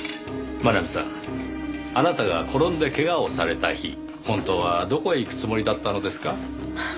真奈美さんあなたが転んで怪我をされた日本当はどこへ行くつもりだったのですか？